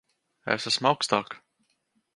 Es esmu augstāk.